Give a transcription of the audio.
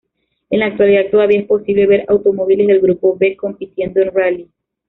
En la actualidad todavía es posible ver automóviles del grupo B compitiendo en rally.